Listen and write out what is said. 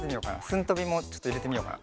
「スンとび」もちょっといれてみようかな。